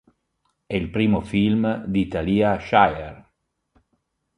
È il primo film di Talia Shire.